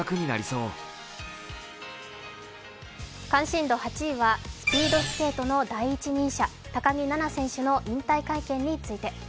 関心度８位はスピードスケートの第一人者、高木菜那選手の引退会見について。